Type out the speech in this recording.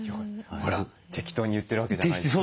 ほら適当に言ってるわけじゃないです。